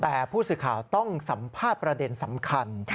แต่ผู้สื่อข่าวต้องสัมภาษณ์ประเด็นสำคัญ